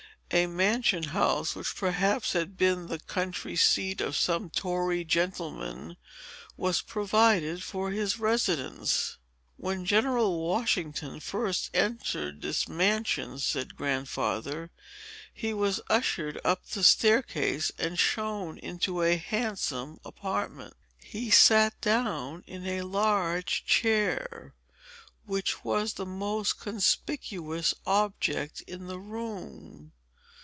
A mansion house, which perhaps had been the country seat of some tory gentleman, was provided for his residence. "When General Washington first entered this mansion," said Grandfather, "he was ushered up the stair case, and shown into a handsome apartment. He sat down in a large chair, which was the most conspicuous object in the room.